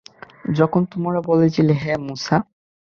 যখন তোমরা বলেছিলে, হে মূসা!